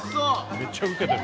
めっちゃウケてる。